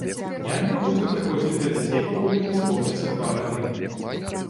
Нянька будзе прыходзіць да дзяцей, пакуль ім не споўніцца два гады.